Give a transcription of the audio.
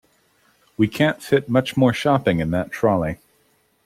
We can’t fit much more shopping in that trolley